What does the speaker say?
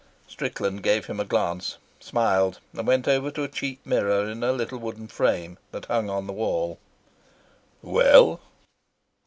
Strickland gave him a glance, smiled, and went over to a cheap mirror in a little wooden frame, that hung on the wall. "Well?"